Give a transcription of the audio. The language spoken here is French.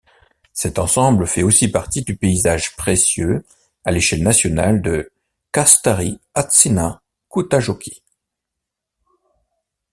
Cet ensemble fait aussi partie du paysage précieux à l'échelle nationale de Kastari-Hatsina-Kutajoki.